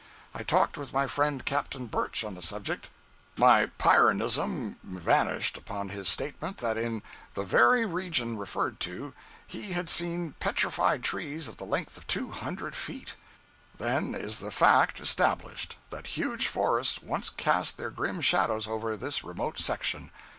I talked with my friend Captain Burch on the subject. My pyrhanism vanished upon his statement that in the very region referred to he had seen petrified trees of the length of two hundred feet. Then is the fact established that huge forests once cast their grim shadows over this remote section.